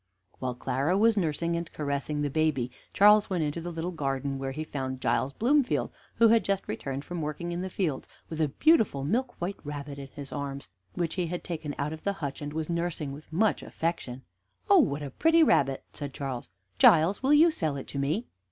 While Clara was nursing and caressing the baby, Charles went into the little garden, where he found Giles Bloomfield, who had just returned from working in the fields, with a beautiful milk white rabbit in his arms, which he had taken out of the hutch, and was nursing with much affection. "Oh, what a pretty rabbit!" said Charles. "Giles, will you sell it to me?"